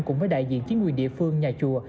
cùng với đại diện chính quyền địa phương nhà chùa